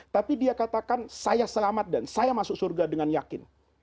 tapi dia katakan saya selamat dan saya masuk surga dengan yakin